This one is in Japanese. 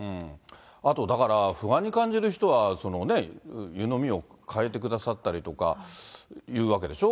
あと、だから不安に感じる人は、湯飲みを替えてくださったりとかいうわけでしょう。